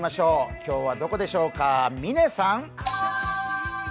今日はどこでしょうか？